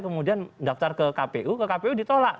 kemudian daftar ke kpu ke kpu ditolak